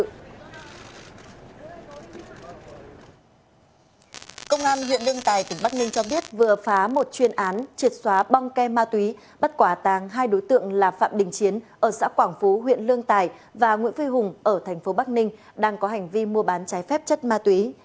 công an huyện lương tài tỉnh bắc ninh cho biết vừa phá một chuyên án triệt xóa băng kem ma túy bắt quả tàng hai đối tượng là phạm đình chiến ở xã quảng phú huyện lương tài và nguyễn phi hùng ở thành phố bắc ninh đang có hành vi mua bán trái phép chất ma túy